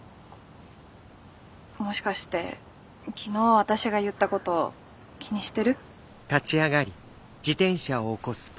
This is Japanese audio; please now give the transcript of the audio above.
もしかして昨日私が言ったこと気にしてる？